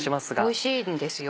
おいしいんですよ。